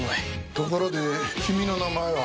ところで君の名前は？